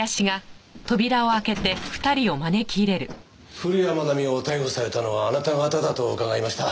古谷愛美を逮捕されたのはあなた方だと伺いました。